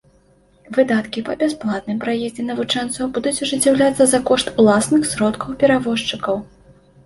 Выдаткі па бясплатным праездзе навучэнцаў будуць ажыццяўляцца за кошт уласных сродкаў перавозчыкаў.